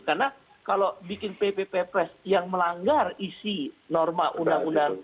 karena kalau bikin pp dan ppres yang melanggar isi norma undang undang